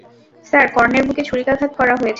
Sir, কর্ণের বুকে ছুরিকাঘাত করা হয়েছে।